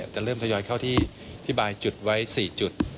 จะเริ่มทยอยเข้าที่บายจุดไว้๔จุด